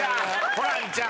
ホランちゃん！